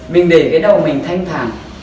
mình để cái đầu mình thanh thản